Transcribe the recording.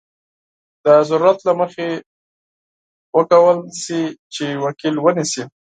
د ضرورت له مخې وکړای شي چې وکیل ونیسي.